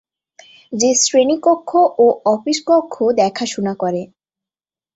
যে শ্রেণী কক্ষ ও অফিস কক্ষ দেখাশোনা করে।